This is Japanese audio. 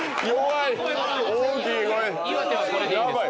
岩手はこれでいいんです。